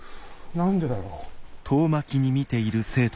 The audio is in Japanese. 何でだろう。